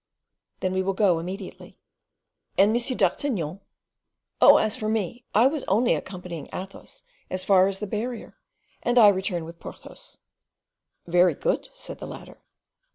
"Then we will go immediately." "And M. d'Artagnan?" "Oh! as for me, I was only accompanying Athos as far as the barrier, and I return with Porthos." "Very good," said the latter.